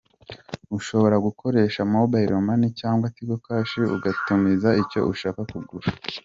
Ushobora gukoresha Mobile Money cyangwa Tigo Cash ugatumiza icyo ushaka kugura.